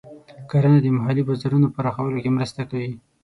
کرنه د محلي بازارونو پراخولو کې مرسته کوي.